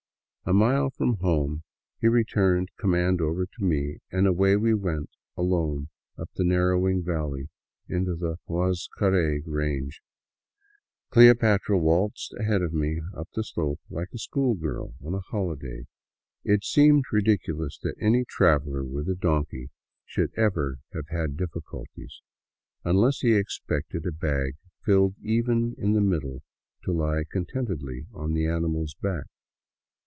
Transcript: A mile from home he turned the com mand over to me and away we went alone up the narrowing valley into the Huazcaray range, " Cleopatra " waltzing ahead of me up the slope like a school girl on a holiday. It seemed ridiculous that any traveler with a donkey should ever have had difficulties — unless he expected a bag filled even in the middle to lie contentedly on the animal's back.